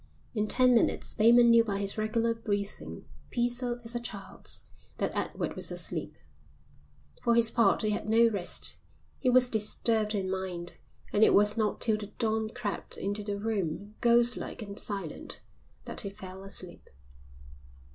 In ten minutes Bateman knew by his regular breathing, peaceful as a child's, that Edward was asleep. But for his part he had no rest, he was disturbed in mind, and it was not till the dawn crept into the room, ghostlike and silent, that he fell asleep.